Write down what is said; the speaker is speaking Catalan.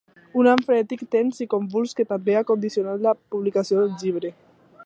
Un any frenètic, tens i convuls, que també ha condicionat la publicació del llibre.